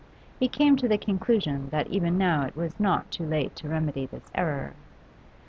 He came to the conclusion that even now it was not too late to remedy this error.